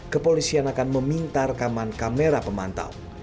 kepolisian akan meminta rekaman kamera pemantau